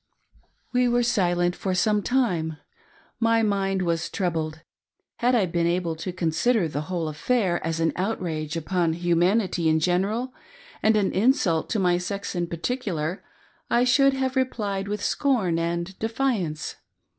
We were silent for some time. My mind was troubled. Had I been able to consider the whole affair as an outrage upon humanity in general, and an insult to my sex in particu lar, I should have replied with scorn and defiance.